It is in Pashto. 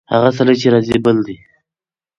هغه سړی چې راځي، بل دی.